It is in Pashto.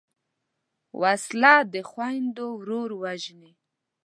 وسله د خویندو ورور وژني